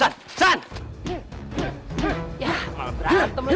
ya ampun berantem lu